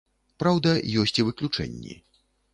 Праўда, ёсць і выключэнні.